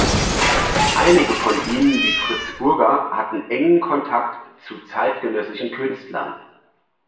Einige von ihnen wie Fritz Burger hatten engen Kontakt zu zeitgenössischen Künstlern.